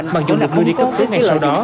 bằng dù được người đi cấp cứt ngay sau đó